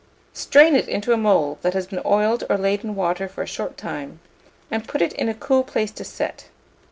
Strain it into a mould that has been oiled or laid in water for a short time, and put it in a cool place to set.